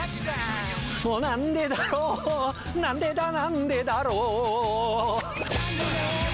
「なんでだろう、なんでだなんでだろう」